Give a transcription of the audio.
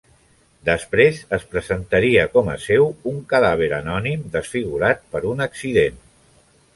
Després es presentaria com a seu un cadàver anònim desfigurat per un accident.